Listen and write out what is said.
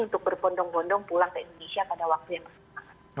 untuk berpondong pondong pulang ke indonesia pada waktu yang masing masing